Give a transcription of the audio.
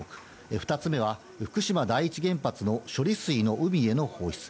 ２つ目は福島第一原発の処理水の海への放出。